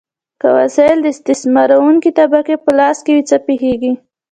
که وسایل د استثمارونکې طبقې په لاس کې وي، څه پیښیږي؟